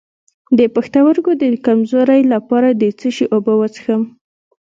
د پښتورګو د کمزوری لپاره د څه شي اوبه وڅښم؟